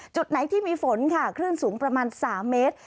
จุดไหนที่มีฝนค่ะคลื่นสูงประมาณ๓เมตร